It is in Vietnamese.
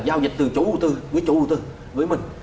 giao dịch từ chủ tư với chủ đầu tư với mình